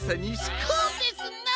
こうですな。